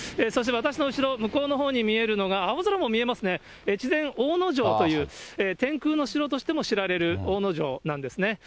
そして私の後ろ、向こうのほうに見えるのが、青空も見えますね、越前大野城という、天空の城としても知られる、大野城なんですね。